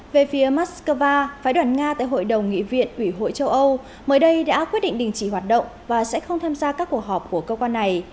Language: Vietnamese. về phía moscow phái đoàn nga tại hội đồng nghị viện ủy hội châu âu mới đây đã quyết định đình chỉ hoạt động và sẽ không tham gia các cuộc họp của cơ quan này